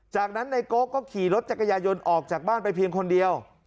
จากนั้นนายโก๊ก็ขี่รถจักรยายนออกจากบ้านไปเพียงคนเดียว